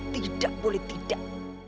tidak boleh tidak